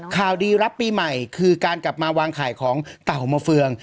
ข่าวดีรับปีใหม่คือการกลับมาวางไข่ของเต่ามาเฟือง